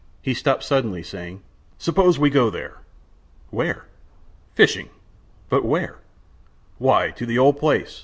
He stopped suddenly, saying: "Suppose we go there?" "Where?" "Fishing." "But where?" "Why, to the old place.